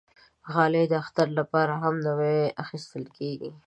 غالۍ د اختر لپاره هم نوی اخېستل کېږي.